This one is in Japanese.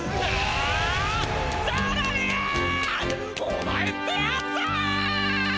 お前ってやつは！